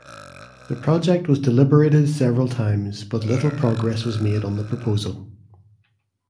The project was deliberated several times but little progress was made on the proposal.